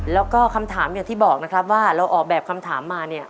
แล้วก็คำถามอย่างที่บอกนะครับว่าเราออกแบบคำถามมาเนี่ย